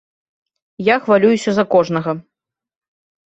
Я хвалююся за кожнага.